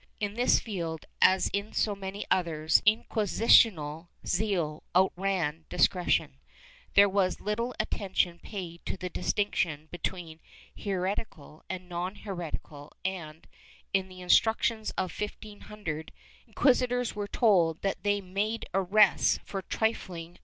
In this field, as in so many others, inquisitorial zeal outran discretion ; there was little attention paid to the distinction between heretical and non heretical and, in the Instructions of 1500, inquisitors were told that they made arrests for trifling * Nueva Recop.